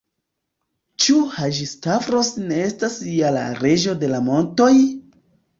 Ĉu Haĝi-Stavros ne estas ja la Reĝo de la montoj?